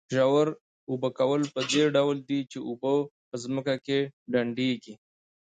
ژور اوبه کول په دې ډول دي چې اوبه په ځمکه کې ډنډېږي.